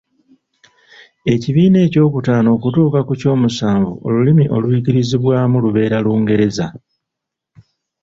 Ekibiina ekyokutaano okutuuka ku kyomusanvu olulimi oluyigirizibwamu lubeere Lungereza.